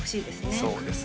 そうですね